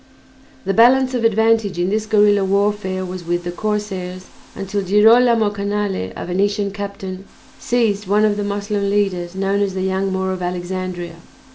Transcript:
The balance of advantage in this guerilla warfare was with the corsairs until Girolame Canale, a Venetian captain, seized one of the Moslem leaders known as "The Young Moor of Alexandria."